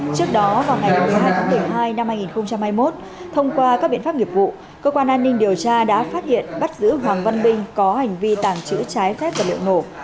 trước đó vào ngày một mươi hai hai hai nghìn hai mươi một thông qua các biện pháp nghiệp vụ cơ quan an ninh điều tra đã phát hiện bắt giữ hoàng văn binh có hành vi tàng trữ trái phép và liệu nổ